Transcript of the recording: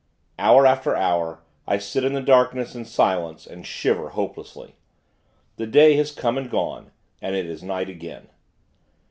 Hour after hour, I sit in the darkness and silence, and shiver, hopelessly.... The day has come and gone, and it is night again.